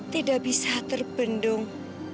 tidak bisa terbendung